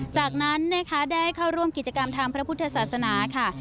จากนั้นนะคะได้เข้าร่วมกิจกรรมทางพระพุทธศาสนาค่ะ